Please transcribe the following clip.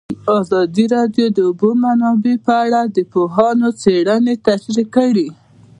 ازادي راډیو د د اوبو منابع په اړه د پوهانو څېړنې تشریح کړې.